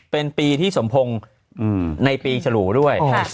เป็นปีที่สมพงศ์ในปีฉลูด้วย